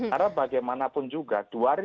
karena bagaimanapun juga